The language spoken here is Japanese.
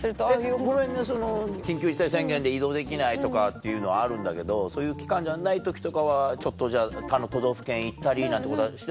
ごめんね緊急事態宣言で移動できないとかっていうのはあるんだけどそういう期間じゃない時とかはちょっと他の都道府県行ったりなんてことはしてんの？